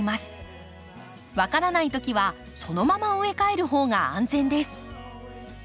分からないときはそのまま植え替えるほうが安全です。